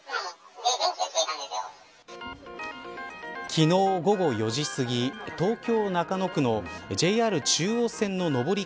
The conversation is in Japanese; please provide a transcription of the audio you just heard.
昨日、午後４時すぎ東京、中野区のＪＲ中央線の上り